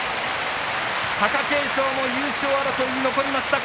貴景勝も優勝争いに残りました。